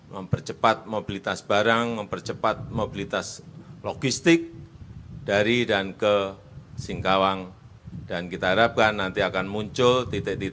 mempercepat mobilitas orang mempercepat mobilitas masyarakat dan mempercepat mobilitas masyarakat dan kita harapkan ini akan mempercepat mobilitas orang